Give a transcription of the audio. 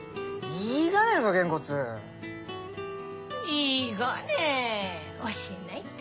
いいがね教えないって。